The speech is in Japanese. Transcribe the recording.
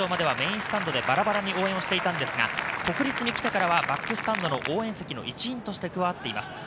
保護者の皆さんは準々決勝まではメインスタンドでバラバラに応援していたんですが、国立に来てからはバックスタンドの応援席の一員として加わっています。